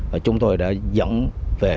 và chúng tôi đã dẫn về